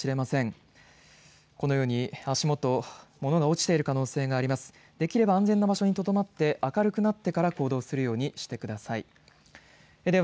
できれば安全な場所にとどまって明るくなってから行動するようにしてください。